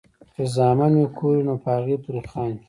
چې زامن مې کور وي نو پۀ هغې پورې خاندي ـ